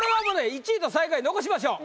１位と最下位残しましょう。